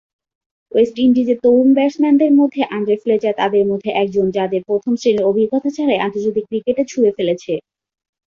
West ইন্ডিজের তরুণ ব্যাটসম্যানদের মধ্যে আন্দ্রে ফ্লেচার তাদের মধ্যে একজন, যাদের প্রথম-শ্রেণীর অভিজ্ঞতা ছাড়াই আন্তর্জাতিক ক্রিকেটে ছুঁড়ে ফেলেছে।